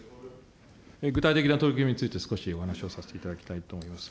具体的な取り組みについて、少しお話をさせていただきたいと思います。